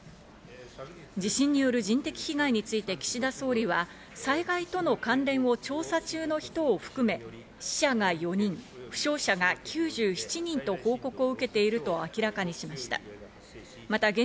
地震による人的被害について岸田総理は災害との関連を調査中の人を含め、死者が４人、負傷者が９７人と報告を受けていると明らかにしました。